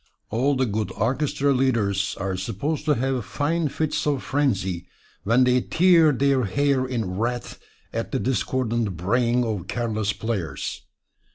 All the good orchestra leaders are supposed to have fine fits of frenzy when they tear their hair in wrath at the discordant braying of careless players.